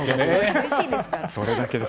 おいしいですから。